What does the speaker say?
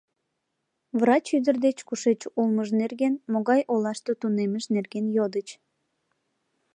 Врач ӱдыр деч кушеч улмыж нерген, могай олаште тунеммыж нерген йодыч.